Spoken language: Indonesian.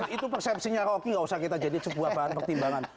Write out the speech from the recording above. itu persepsinya rocky gak usah kita jadi sebuah bahan pertimbangan